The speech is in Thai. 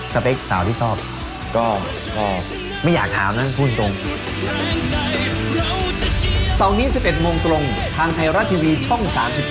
เปคสาวที่ชอบก็ไม่อยากถามนะพูดตรง